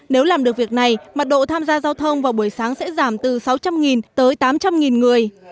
nếu làm được việc này mặt độ tham gia giao thông vào buổi sáng sẽ giảm từ sáu trăm linh tới tám trăm linh người